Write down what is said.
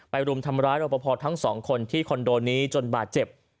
รุมทำร้ายรอปภทั้งสองคนที่คอนโดนี้จนบาดเจ็บ